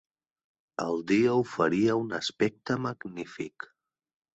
El dia oferia un aspecte magnífic.